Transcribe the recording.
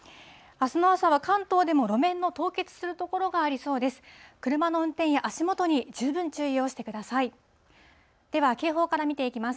あすの朝は関東でも路面の凍結する所がありそうです。